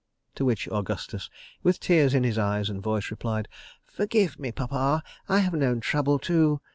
To which Augustus, with tears in his eyes and voice, replied: "Forgive me, Pappa. I have known trouble too.